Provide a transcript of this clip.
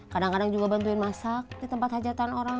kadang kadang juga bantuin masak di tempat hajatan orang